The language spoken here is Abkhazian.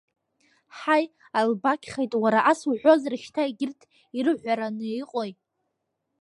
Ҳаи, Албақьхеит, уаргьы ас уҳәозар шьҭа егьырҭ ирҳәараны иҟои!